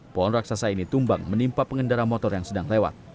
pohon raksasa ini tumbang menimpa pengendara motor yang sedang lewat